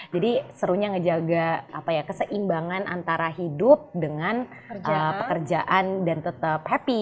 jadi serunya menjaga keseimbangan antara hidup dengan pekerjaan dan tetap happy